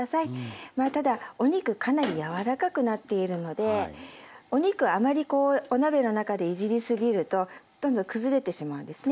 ただお肉かなり柔らかくなっているのでお肉をあまりお鍋の中でいじり過ぎるとどんどん崩れてしまうんですね。